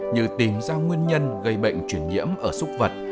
như tìm ra nguyên nhân gây bệnh chuyển nhiễm ở súc vật